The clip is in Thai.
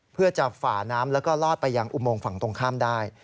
เพื่อจะฝ่าน้ำแล้วก็ลอดไปยังอุโมงฝั่งตรงข้ามได้